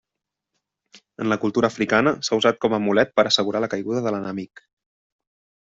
En la cultura africana, s'ha usat com a amulet per assegurar la caiguda de l'enemic.